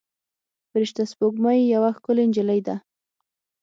فرشته سپوږمۍ یوه ښکلې نجلۍ ده.